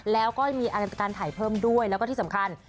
แล้วก็มีอะไรเป็นการถ่ายเพิ่มด้วยแล้วก็ที่สำคัญ